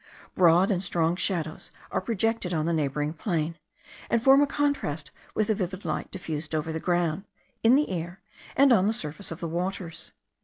Broad and strong shadows are projected on the neighbouring plain, and form a contrast with the vivid light diffused over the ground, in the air, and on the surface of the waters.